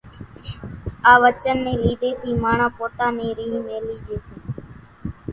آ وچن ني ليڌي ٿي ماڻۿان پوتا نِي ريۿ ميلِي ڄي سي،